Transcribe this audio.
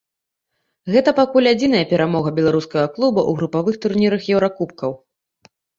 Гэта пакуль адзіная перамога беларускага клуба ў групавых турнірах еўракубкаў.